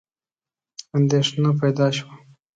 اندېښنه پیدا شوه.